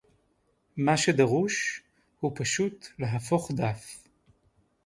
מה שדרוש הוא פשוט להפוך דף